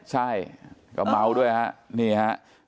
ใช่ก็เมาด้วยนะครับ